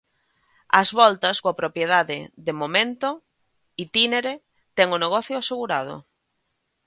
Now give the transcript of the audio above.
Á voltas coa propiedade De momento, Itínere ten o negocio asegurado.